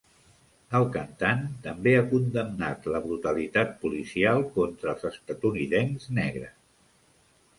El cantant també ha condemnat la brutalitat policial contra els estatunidencs negres.